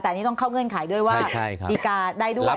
แต่อันนี้ต้องเข้าเงื่อนไขด้วยว่าดีการ์ได้ด้วย